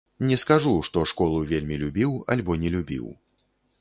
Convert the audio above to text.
Не скажу, што школу вельмі любіў альбо не любіў.